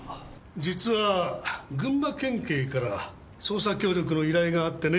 実は群馬県警から捜査協力の依頼があってね。